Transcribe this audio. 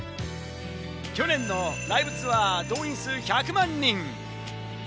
去年のライブツアー動員数１００万人！